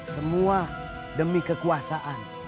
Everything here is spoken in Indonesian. semua demi kekuasaan